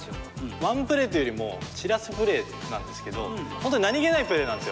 ワンプレーというよりも散らすプレーなんですけどホントに何気ないプレーなんですよ。